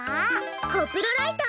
コプロライト！